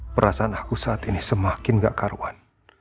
perasaan aku saat ini semakin gak karuan